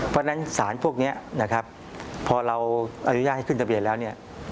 เพราะฉะนั้นสารพวกนี้นะครับพอเราอนุญาตให้ขึ้นทะเบียนแล้วเนี่ย